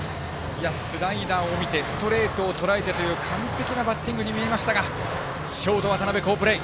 スライダーを見てストレートをとらえてという完璧なバッティングに見えましたがショート、渡邊、好プレー。